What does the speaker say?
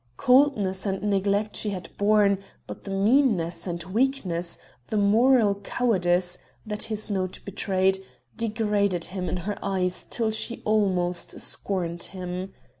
Coldness and neglect she had borne but the meanness and weakness the moral cowardice that this note betrayed, degraded him in her eyes till she almost scorned him.